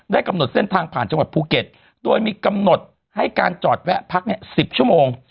กำหนดเส้นทางผ่านจังหวัดภูเก็ตโดยมีกำหนดให้การจอดแวะพัก๑๐ชั่วโมง